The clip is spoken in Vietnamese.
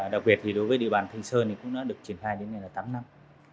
đặc biệt thì đối với địa bàn thành sơn thì cũng đã được triển khai đến nay là tám năm